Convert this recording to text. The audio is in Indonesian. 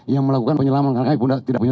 yang melakukan penyelamatan karena kami tidak punya